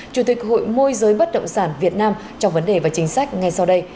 chủ tịch hội môi giới bất động sản việt nam trong vấn đề và chính sách ngay sau đây